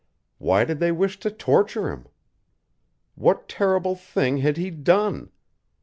Why did they wish to torture him? What terrible thing had he done?